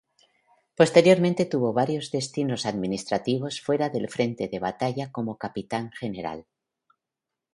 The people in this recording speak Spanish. Posteriormente tuvo varios destinos administrativos fuera del frente de batalla como Capitán general.